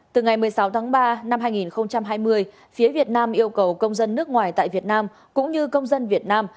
từ ngày một mươi sáu tháng ba năm hai nghìn hai mươi phía việt nam yêu cầu công dân nước ngoài tại việt nam cũng như công dân việt nam